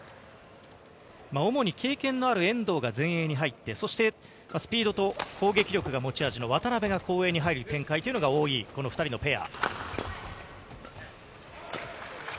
主に経験のある遠藤が前衛に入ってスピードと攻撃力が持ち味の渡辺が後衛に入る展開というのが多い２人のペア。